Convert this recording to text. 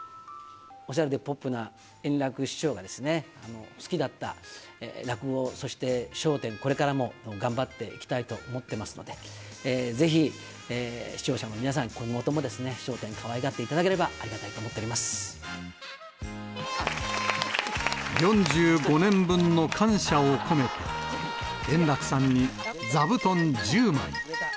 おしゃれでポップな円楽師匠がですね、好きだった落語、そして笑点、これからも頑張っていきたいと思ってますので、ぜひ視聴者の皆さん、今後ともですね、笑点かわいがっていただけ４５年分の感謝を込めて、円楽さんに座布団１０枚。